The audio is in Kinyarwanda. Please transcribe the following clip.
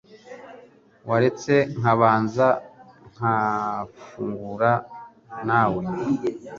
waretse nkabanza nkafungura na we